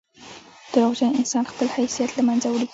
• دروغجن انسان خپل حیثیت له منځه وړي.